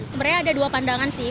sebenarnya ada dua pandangan sih